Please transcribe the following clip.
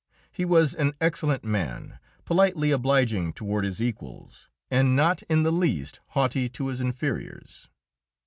He was an excellent man, politely obliging toward his equals, and not in the least haughty to his inferiors.